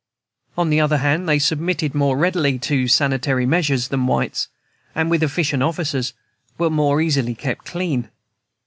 On the other hand, they submitted more readily to sanitary measures than whites, and, with efficient officers, were more easily kept clean.